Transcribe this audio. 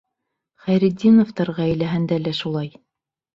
Хәйретдиновтар ғаиләһендә лә шулай.